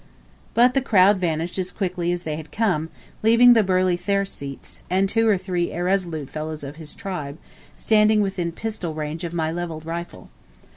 But the crowd vanished as quickly as they had come, leaving the burly Thersites, and two or three irresolute fellows of his tribe, standing within pistol range of my levelled rifle.